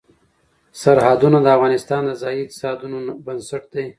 سرحدونه د افغانستان د ځایي اقتصادونو بنسټ دی.